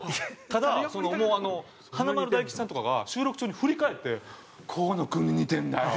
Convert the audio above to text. ただもうあの華丸・大吉さんとかが収録中に振り返って「コウノ君に似てるんだよ」。